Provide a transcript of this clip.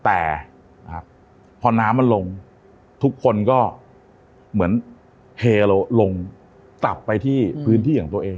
แต่พอน้ำมันลงทุกคนก็เหมือนเฮเราลงกลับไปที่พื้นที่ของตัวเอง